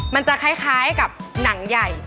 มันจะคล้ายกับหนังใหญ่